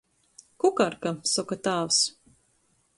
"Kukarka," soka tāvs.